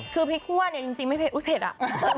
คือพริกหัวแต่จริงไม่เผ็ดอุ๊ยเผ็ดอ่ะ